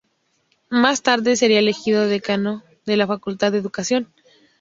Más tarde sería elegido decano de la Facultad de Educación.